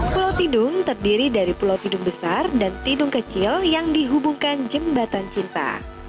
pulau tidung terdiri dari pulau tidung besar dan tidung kecil yang dihubungkan jembatan cinta